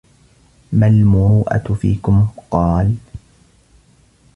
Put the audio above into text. مَا الْمُرُوءَةُ فِيكُمْ ؟ قَالَ